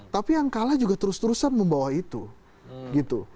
tapi yang kalah juga terus terusan membawa itu gitu